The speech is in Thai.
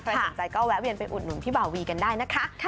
สนใจก็แวะเวียนไปอุดหนุนพี่บ่าวีกันได้นะคะ